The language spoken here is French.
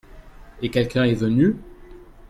Et quelqu'un est venu ?